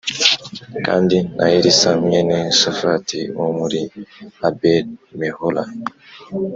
kandi na Elisa mwene Shafati wo muri Abeli Mehola